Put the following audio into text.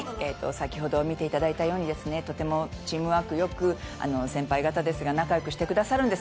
見ていただいたようにとてもチームワークが良く先輩方ですが仲良くしてくださるんです。